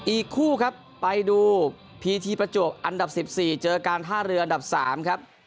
อีกคู่ครับไปดูพีทีประจวบอันดับ๑๔เจอการท่าเรืออันดับ๓ครับ